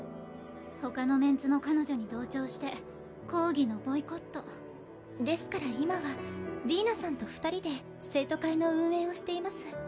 他のメンツも彼女に同調して抗議のボイコットですから今はディーナさんと二人で生徒会の運営をしています